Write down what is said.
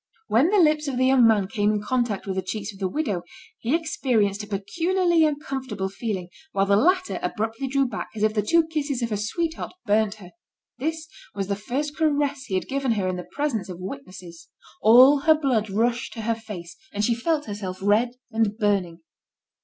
When the lips of the young man came in contact with the cheeks of the widow, he experienced a peculiarly uncomfortable feeling, while the latter abruptly drew back, as if the two kisses of her sweetheart burnt her. This was the first caress he had given her in the presence of witnesses. All her blood rushed to her face, and she felt herself red and burning.